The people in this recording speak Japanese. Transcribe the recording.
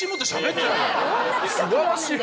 素晴らしい！